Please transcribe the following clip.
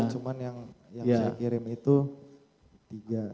cuma yang saya kirim itu tiga